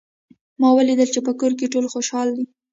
ما ولیدل چې په کور کې ټول خوشحال دي